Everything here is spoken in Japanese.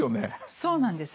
そうなんです。